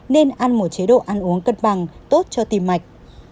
nên ăn một chế độ ăn uống cân bằng tốt cho tim mạch